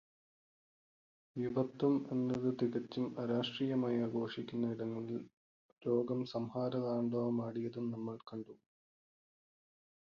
യുവത്വം എന്നത് തികച്ചും അരാഷ്ട്രീയമായി ആഘോഷിക്കുന്ന ഇടങ്ങളിൽ രോഗം സംഹാരതാണ്ഡവാടിയതും നമ്മൾ കണ്ടു.